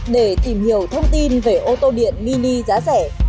để tìm hiểu thông tin về ô tô điện mini giá rẻ